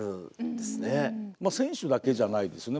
選手だけじゃないですね。